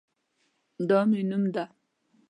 دا مې نوم ده